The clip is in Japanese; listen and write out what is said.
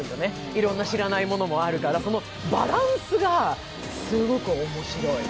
いろんな知らないものもあるから、そのバランスがすごく面白い。